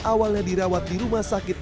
awalnya dirawat di rumah sakit